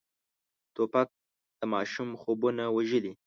توپک د ماشوم خوبونه وژلي.